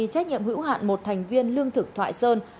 trách nhiệm hữu hạn một thành viên lương thực thoại sơn